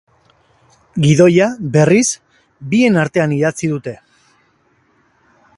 Gidoia, berriz, bien artean idatzi dute.